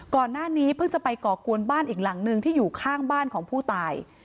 ก่อนหน้านี้เพิ่งจะไปก่อกวนบ้านอีกหลังนึงที่อยู่ข้างบ้านของผู้ตาย